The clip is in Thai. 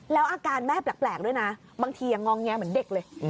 แล้วอาการแม่แปลกด้วยนะบางทีงองแงเหมือนเด็กเลย